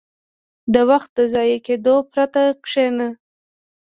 • د وخت د ضایع کېدو پرته کښېنه.